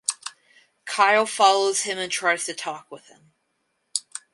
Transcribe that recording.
Kyle follows him and tries to talk with him.